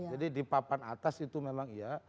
di papan atas itu memang iya